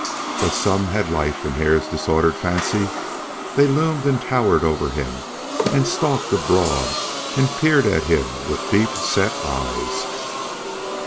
But some had life in Hare's disordered fancy. They loomed and towered over him, and stalked abroad and peered at him with deep set eyes.